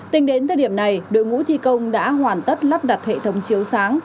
tính đến thời điểm này đội ngũ thi công đã hoàn tất lắp đặt hệ thống chiếu sáng